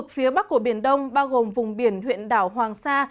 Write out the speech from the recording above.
phía bắc của biển đông bao gồm vùng biển huyện đảo hoàng sa